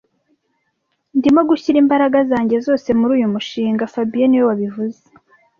Ndimo gushyira imbaraga zanjye zose muri uyu mushinga fabien niwe wabivuze